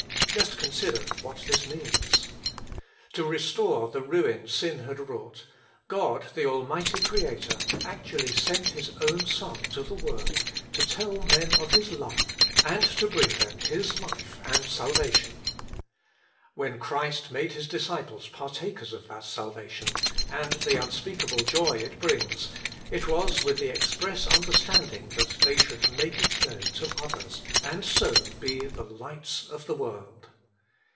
Just consider what this means. To re store the ruin sin had wrought, God, the Almighty Creator, actually sent His own Son to the world to tell men of His love, and to bring them His life and salvation. When Christ made His disciples partakers 21 22 Working for God of that salvation, and the unspeakable joy it brings, it was with the express understand ing that they should make it known to others, and so be the lights of the world.